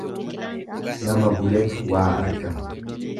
Nama buletu waa arga.